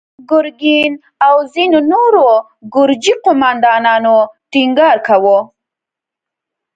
ګرګين او ځينو نورو ګرجي قوماندانانو ټينګار کاوه.